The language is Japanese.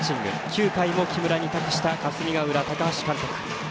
９回も木村に託した霞ヶ浦、高橋監督。